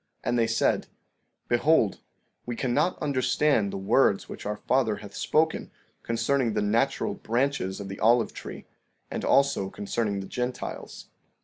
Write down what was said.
15:7 And they said: Behold, we cannot understand the words which our father hath spoken concerning the natural branches of the olive tree, and also concerning the Gentiles.